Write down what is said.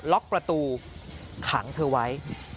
ล็อกประตูขังเธอไว้